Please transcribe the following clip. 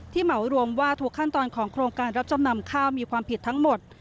เหมารวมว่าทุกขั้นตอนของโครงการรับจำนำข้าวมีความผิดทั้งหมด